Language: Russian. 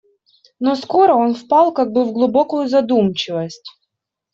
Но скоро он впал как бы в глубокую задумчивость.